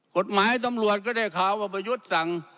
กฎหมายตำรวจก็ได้ข่าวว่าประยุทธ์สั่ง